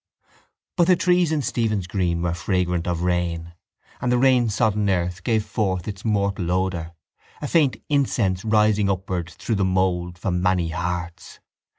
_ But the trees in Stephen's Green were fragrant of rain and the rainsodden earth gave forth its mortal odour, a faint incense rising upward through the mould from many hearts.